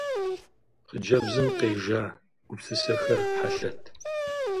Хъыджэбзым къежа гупсысэхэр хьэлъэт.